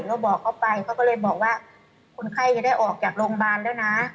แล้วบอกเขาไปเขาก็เลยบอกว่าคนไข้จะได้ออกจากโรงพยาบาลแล้วนะ